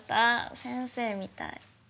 先生みたい。